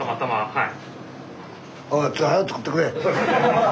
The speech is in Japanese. はい。